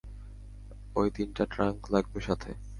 অই তিনটা ট্রাংক লাগবে সাথে!